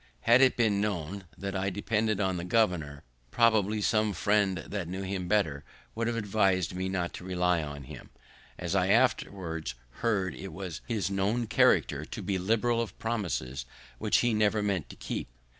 Had it been known that I depended on the governor, probably some friend, that knew him better, would have advis'd me not to rely on him, as I afterwards heard it as his known character to be liberal of promises which he never meant to keep.